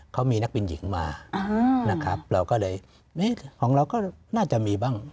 เขามีนักบินหญิงมานะครับเราก็เลยของเราก็น่าจะมีบ้าง